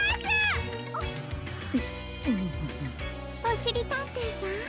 おしりたんていさん